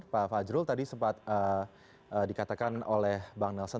pak fajrul tadi sempat dikatakan oleh bang nelson